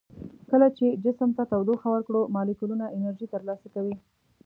کله چې جسم ته تودوخه ورکړو مالیکولونه انرژي تر لاسه کوي.